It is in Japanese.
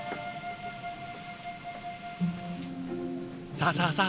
さあさあさあ